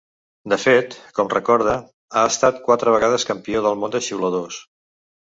De fet, com recorda, ha estat quatre vegades campió del món de xiuladors.